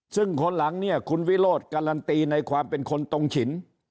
ซึ่งคนหลังเนี่ยคุณวิโรธการันตีในความเป็นคนตรงฉิน